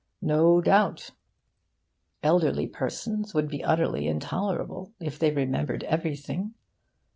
No doubt. Elderly persons would be utterly intolerable if they remembered everything.